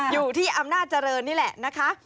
อยู่ที่อำนาจเจริญนี่แหละนะคะ